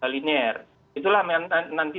linier itulah nanti